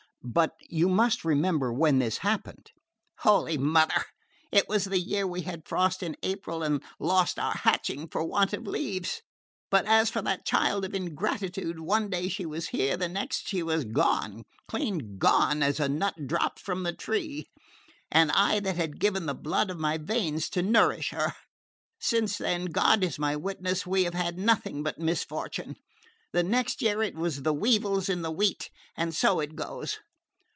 "But you must remember when this happened." "Holy Mother! It was the year we had frost in April and lost our hatching for want of leaves. But as for that child of ingratitude, one day she was here, the next she was gone clean gone, as a nut drops from the tree and I that had given the blood of my veins to nourish her! Since then, God is my witness, we have had nothing but misfortune. The next year it was the weevils in the wheat; and so it goes."